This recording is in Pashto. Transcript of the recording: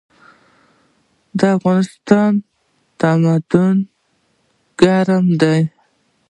د افغانستان نمدې ګرمې دي